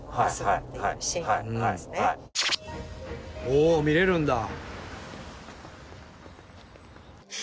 おお見れるんだ。